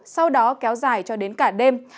sau đó kéo dài cho đến cả đêm